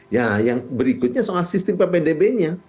ya yang berikutnya soal sistem ppdb nya